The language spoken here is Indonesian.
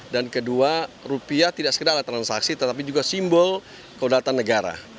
dan kedua rupiah tidak sekedar transaksi tetapi juga simbol keudaratan negara